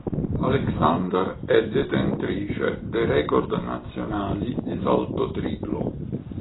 Alexander è detentrice dei record nazionali di salto triplo.